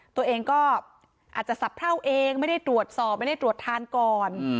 ตัวเองก็อาจจะสะเพราเองไม่ได้ตรวจสอบไม่ได้ตรวจทานก่อน